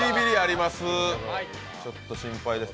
ちょっと心配です。